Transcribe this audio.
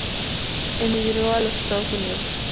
Emigró a los Estados Unidos.